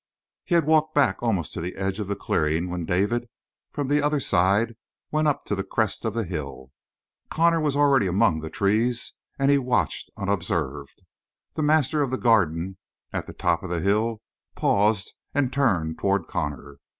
He had walked back almost to the edge of the clearing when David, from the other side went up to the crest of the hill. Connor was already among the trees and he watched unobserved. The master of the Garden, at the top of the hill, paused and turned toward Connor.